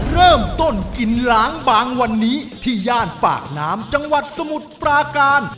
เริ่มต้นกินล้างบางวันนี้ที่ย่านปากน้ำจังหวัดสมุทรปราการ